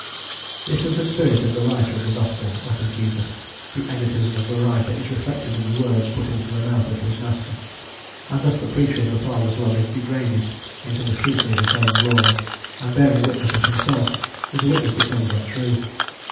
This is the spirit of the writer of the gospel, not of Jesus: the egotism of the writer is reflected in the words put into the mouth of his master; and thus the preacher of the Father's love is degraded into the seeker of his own glory, and bearing witness of himself, his witness becomes untrue.